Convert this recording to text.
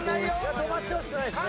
止まってほしくないですね。